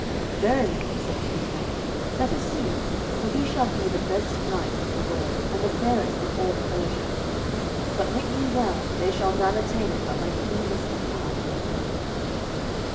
"Verily," said the good man, "that is sooth, for he shall be the best knight of the world, and the fairest of all the fellowship. But wit ye well, there shall none attain it but by cleanness of heart and of life."